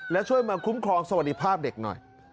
และช่วยมาคุ้มครองสวัสดิภาพเด็กหน่อย